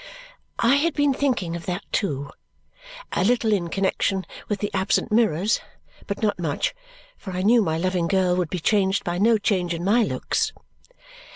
I had been thinking of that too. A little in connexion with the absent mirrors, but not much, for I knew my loving girl would be changed by no change in my looks.